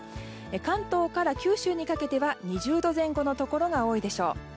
関東から九州にかけては２０度前後のところが多いでしょう。